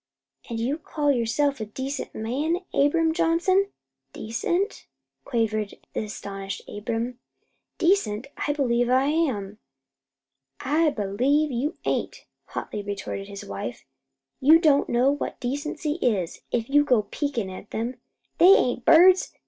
"An' you call yourself a decent man, Abram Johnson?" "Decent?" quavered the astonished Abram. "Decent? I believe I am." "I believe you ain't," hotly retorted his wife. "You don't know what decency is, if you go peekin' at them. They ain't birds!